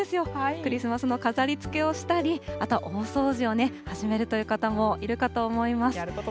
クリスマスの飾りつけをしたり、あとは大掃除を始めるという方も、いるかと思います。